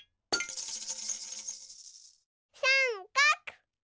さんかく！